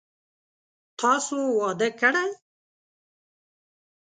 تاسو واده کړئ ؟